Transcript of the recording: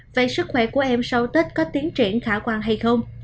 vậy sức khỏe của em sau tết có tiến triển khả quan hay không